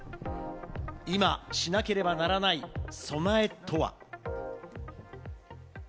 今しなければならない備えとは。